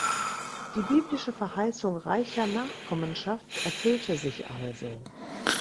Die biblische Verheißung reicher Nachkommenschaft erfüllte sich also.